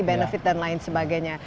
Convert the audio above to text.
benefit dan lain sebagainya